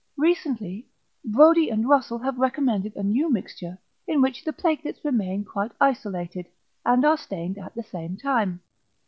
Recently Brodie and Russell have recommended a new mixture in which the platelets remain quite isolated, and are stained at the same time.